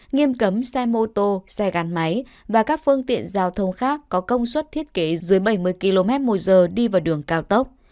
nghiêm cấm xe mô tô xe gắn máy và các phương tiện giao thông khác có công suất thiết kế dưới bảy mươi km một giờ đi vào đường cao tốc